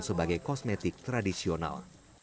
sebagai kosmetik tradisional